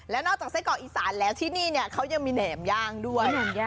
แล้วนอกจากไส้กรอกอีสานแล้วที่นี่เขายังมีแหนมย่างด้วย